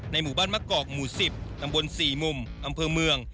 หมู่บ้านมะกอกหมู่๑๐ตำบล๔มุมอำเภอเมือง